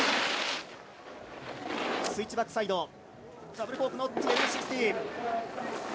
スイッチバックサイド。